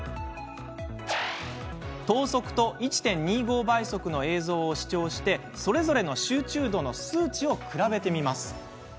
等速と１．２５倍速の映像を視聴して、それぞれの集中度の数値を比べてみます。